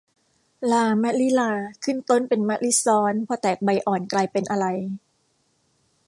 ลามะลิลา ขึ้นต้นเป็นมะลิซ้อน พอแตกใบอ่อน กลายเป็นอะไร